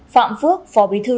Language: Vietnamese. phạm phước phò bí thư